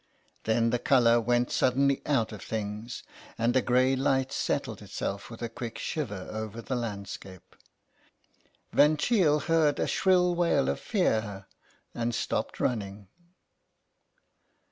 Then the colour went suddenly out of things, and a grey light settled itself with a quick shiver over the landscape. Van Cheele heard a shrill wail of fear, and stopped running.